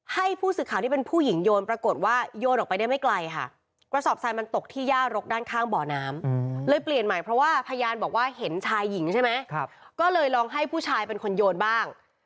ให้ผู้สื่อข่าวที่เป็นผู้หญิงโยนปรากฏว่าโยนออกไปได้ไม่ไกลค่ะกระสอบทรายมันตกที่ย่ารกด้านข้างบ่อน้ำเลยเปลี่ยนใหม่เพราะว่าพยานบอกว่าเห็นชายหญิงใช่ไหมก็เลยลองให้ผู้ชายเป็นคนโยนบ้าง